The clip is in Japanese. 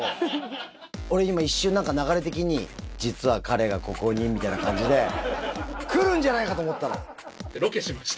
俺、今一瞬、流れ的に実は彼がここにみたいな感じで、来るんじゃないかと思っロケしました。